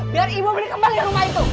biar ibu beri kembali rumah itu